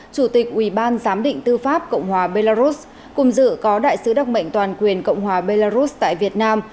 chủ tịch ủy ban giám định tư pháp cộng hòa belarus cùng dự có đại sứ đặc mệnh toàn quyền cộng hòa belarus tại việt nam